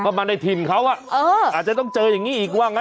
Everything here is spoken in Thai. ก็มาในถิ่นเขาอาจจะต้องเจออย่างนี้อีกว่างั้น